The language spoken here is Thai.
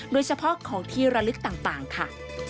โดยเฉพาะของที่ระลึกต่างค่ะ